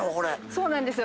そうなんですよ。